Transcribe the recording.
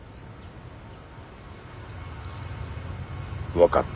分かった。